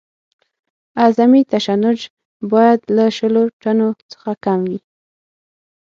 اعظمي تشنج باید له شلو ټنو څخه کم وي